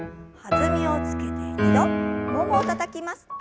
弾みをつけて２度ももをたたきます。